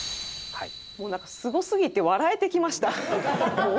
なんかすごすぎて笑えてきましたもう。